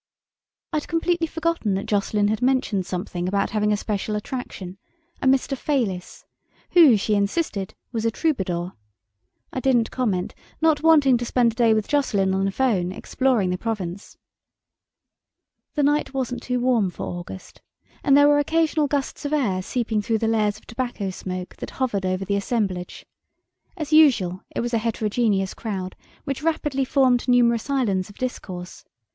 I'd completely forgotten that Jocelyn had mentioned something about having a special attraction: a "Mr. Fayliss", who, she insisted, was a troubadour. I didn't comment, not wanting to spend a day with Jocelyn on the phone, exploring the Provence. The night wasn't too warm for August, and there were occasional gusts of air seeping through the layers of tobacco smoke that hovered over the assemblage. As usual, it was a heterogeneous crowd, which rapidly formed numerous islands of discourse.